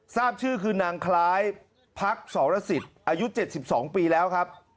ทราบชื่อคือนางคล้ายพักสรสิทธิ์อายุ๗๒ปีแล้วครับ